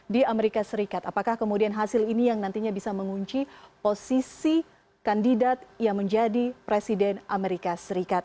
di amerika serikat apakah kemudian hasil ini yang nantinya bisa mengunci posisi kandidat yang menjadi presiden amerika serikat